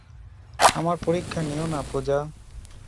আমার পরীক্ষা নিও না, পূজা।